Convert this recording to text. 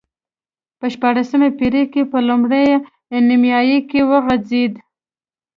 په شپاړسمې پېړۍ په لومړۍ نییمایي کې وغځېد.